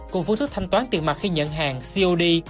cùng phương thức thanh toán tiền mặt khi nhận hàng cod